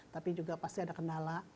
tapi juga pasti ada kendala